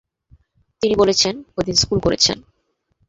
তিনি বলেছেন, ঐদিন স্কুল করেছেন।